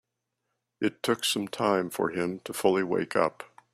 It took some time for him to fully wake up.